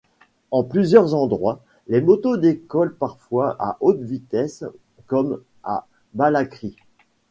En plusieurs endroits, les motos décollent, parfois à haute vitesse comme à Ballacrye.